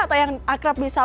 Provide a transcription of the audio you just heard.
atau yang akrab bisa